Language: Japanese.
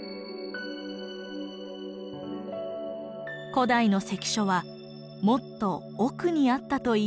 古代の関所はもっと奥にあったといいます。